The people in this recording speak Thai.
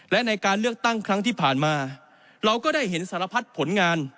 และในการเลือกตั้งครั้งที่ผ่านมาเราก็ได้เห็นสารพัดผลงาน